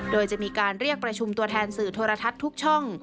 โดยจะมีการเรียกประชุมตัวแทนสื่อโทรทัศน์ทุกช่อง